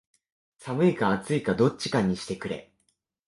寒いか暑いかどっちかにしてくれ